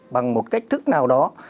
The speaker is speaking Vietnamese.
bằng một cách thức nào đó